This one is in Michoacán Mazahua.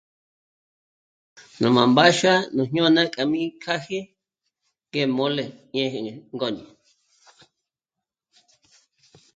Nú má mbáxua nú jñôna kjá mí kjáji ngé mole ñë̂jë ngôñi